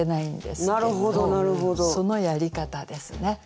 そのやり方ですね。